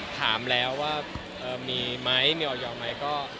ถามแล้วว่ามีไหมนิวอยอร์ไหม